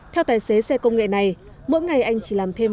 theo tài xế xe công nghệ này mỗi ngày anh chỉ làm thêm